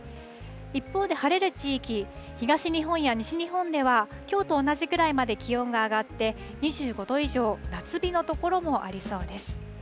一方で晴れる地域、東日本や西日本ではきょうと同じくらいまで気温が上がって、２５度以上、夏日の所もありそうです。